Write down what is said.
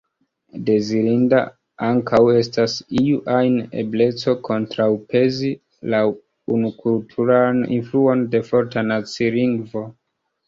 Dezirinda ankaŭ estas iu ajn ebleco kontraŭpezi la unukulturan influon de forta nacilingvo.